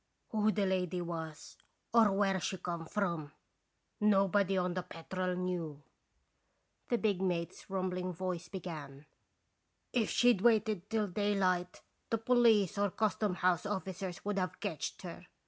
"Who the lady was or where she come from, nobody on the Petrel knew," the big mate's rumbling voice began: "If she'd waited till daylight the police or custom house officers would have ketched her.